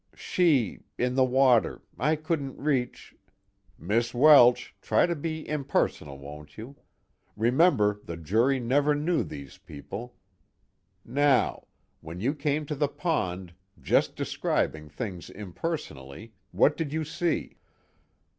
"She in the water I couldn't reach " "Miss Welsh, try to be impersonal, won't you? Remember the jury never knew these people. Now: when you came to the pond, just describing things impersonally, what did you see?"